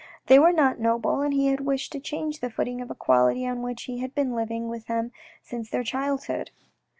They were not noble, and he had wished to change the footing of equality on which they had been living with him since their childhood.